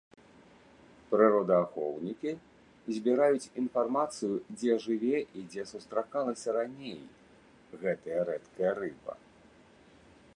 Прыродаахоўнікі збіраюць інфармацыю, дзе жыве і дзе сустракалася раней гэтая рэдкая рыба.